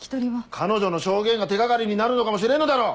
彼女の証言が手掛かりになるのかもしれんのだろ。